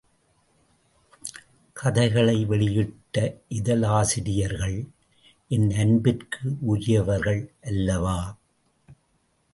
கதைகளை வெளியிட்ட இதழாசிரியர்கள் என் அன்பிற்கு உரியவர்கள் அல்லவா?